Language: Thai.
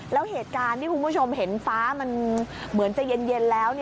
แล้วเหตุการณ์ที่คุณผู้ชมเห็นฟ้ามันเหมือนจะเย็นแล้ว